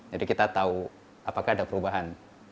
jadi kita tahu apakah ada perubahan